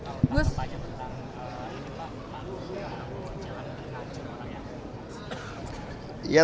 bagaimana pak lu yang menjaga renacung orang yang